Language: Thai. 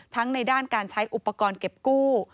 ในด้านการใช้อุปกรณ์เก็บกู้